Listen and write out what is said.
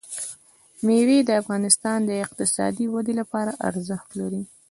مېوې د افغانستان د اقتصادي ودې لپاره ارزښت لري.